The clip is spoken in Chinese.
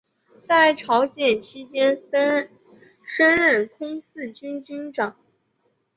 在朝鲜期间升任空四军军长。